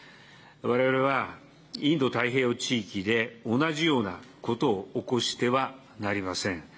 われわれはインド太平洋地域で同じようなことを起こしてはなりません。